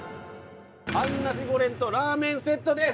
半ナシゴレンとラーメンセットです！